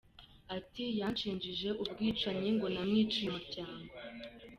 Ati “Yanshinje ubwicanyi ngo namwiciye umuryango.